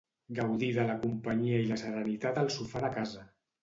Gaudir de la companyia i la serenitat al sofà de casa.